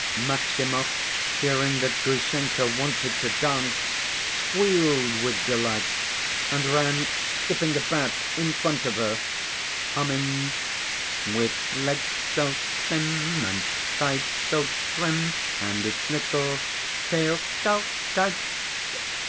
Maximov, hearing that Grushenka wanted to dance, squealed with delight, and ran skipping about in front of her, humming: With legs so slim and sides so trim And its little tail curled tight.